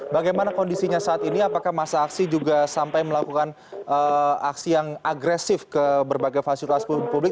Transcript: bagaimana kondisinya saat ini apakah masa aksi juga sampai melakukan aksi yang agresif ke berbagai fasilitas publik